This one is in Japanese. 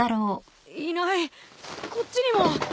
いないこっちにも！